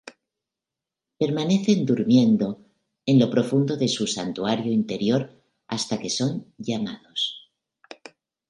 Permanecen "durmiendo" en lo profundo de su santuario interior hasta que son "llamados".